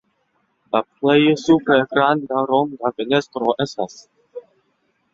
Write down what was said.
La plej supre granda ronda fenestro estas.